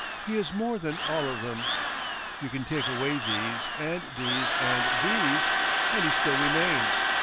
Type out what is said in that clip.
He is more than all of them. You can take away these and these and these, and he still remains.